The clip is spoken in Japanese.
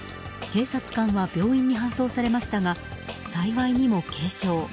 警察官は病院に搬送されましたが幸いにも軽傷。